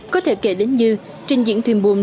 có thể kể đến như trình diễn thuyền buồm